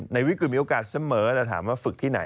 ในวิกฤตมีโอกาสเสมอแต่ถามว่าฝึกที่ไหน